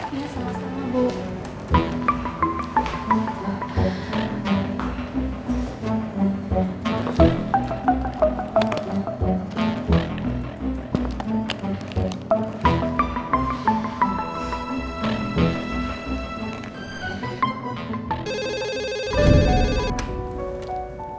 iya sama sama bu